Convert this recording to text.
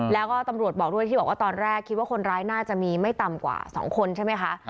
แล้วก็ตำรวจบอกด้วยที่บอกว่าตอนแรกคิดว่าคนร้ายน่าจะมีไม่ต่ำกว่า๒คนใช่ไหมคะ